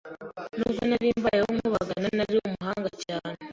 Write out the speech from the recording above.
nubwo nari mbayeho nkubagana nari umuhanga cyane